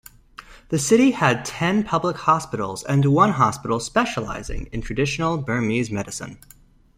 The city has ten public hospitals and one hospital specializing in traditional Burmese medicine.